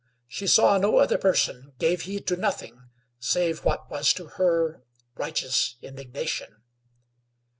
She saw no other person; gave heed to nothing save what was to her, righteous indignation.